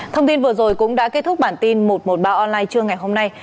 thông tin vừa rồi cũng đã kết thúc bản tin một trăm một mươi ba online trưa ngày hôm nay